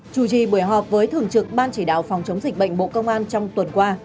chủ trì buổi họp với thường trực ban chỉ đạo phòng chống dịch bệnh bộ công an trong tuần qua